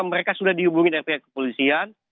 mereka sudah dihubungi dengan pihak kepolisian